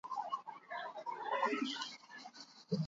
Sarrera doakoa da, beraz animatu!